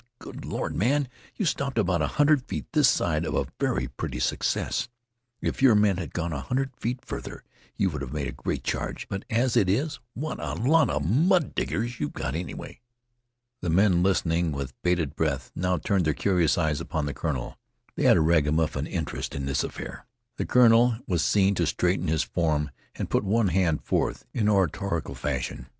Good Lord, man, you stopped about a hundred feet this side of a very pretty success! If your men had gone a hundred feet farther you would have made a great charge, but as it is what a lot of mud diggers you've got anyway!" The men, listening with bated breath, now turned their curious eyes upon the colonel. They had a ragamuffin interest in this affair. The colonel was seen to straighten his form and put one hand forth in oratorical fashion.